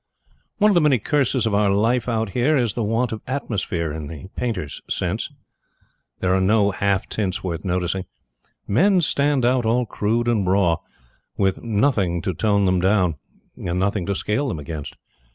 One of the many curses of our life out here is the want of atmosphere in the painter's sense. There are no half tints worth noticing. Men stand out all crude and raw, with nothing to tone them down, and nothing to scale them against.